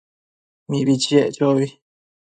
Mibi chiec chobi